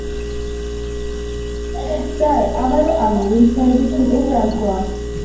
Sir, আবারো আমি, room service থেকে ফ্রান্সোয়া।